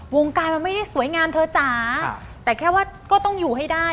วงการมันไม่ได้สวยงามเธอจ๋าแต่แค่ว่าก็ต้องอยู่ให้ได้